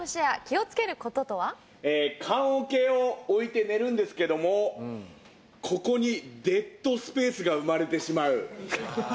棺おけを置いて寝るんですけどもここにデッドスペースが生まれてしまう。